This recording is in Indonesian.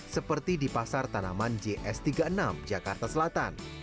seperti di pasar tanaman js tiga puluh enam jakarta selatan